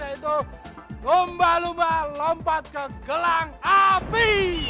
yaitu lumba lumba lompat ke gelang api